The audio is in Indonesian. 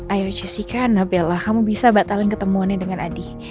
ayo jessy kak nabil lah kamu bisa batalin ketemuannya dengan adi